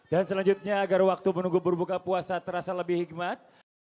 dan selanjutnya agar waktu menunggu berbuka puasa terasa lebih hikmat